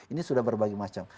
ini sudah berbagai macam